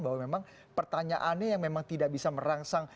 bahwa memang pertanyaannya yang memang tidak bisa merangsang